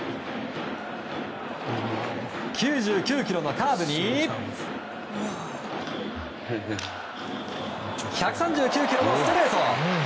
９９キロのカーブに１３９キロのストレート。